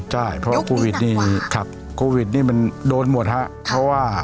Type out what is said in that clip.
ใช่เพราะว่ายุคนี้หนักกว่าครับโควิดนี่มันโดนหมดฮะเพราะว่า